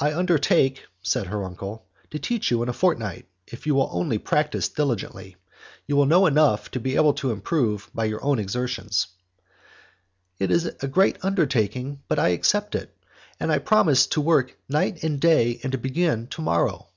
"I undertake," said her uncle, "to teach you in a fortnight, if you will only practice diligently. You will then know enough to be able to improve by your own exertions." "It is a great undertaking, but I accept it; I promise you to work night and day, and to begin to morrow."